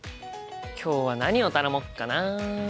今日は何を頼もっかな。